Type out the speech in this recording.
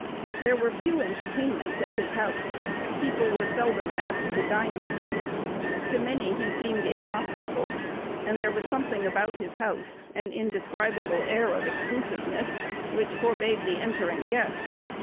There were few entertainments at his house. People were seldom asked to dine with him. To many he seemed inhospitable; and there was something about his house, an indescribable air of exclusiveness, which forbade the entering guest.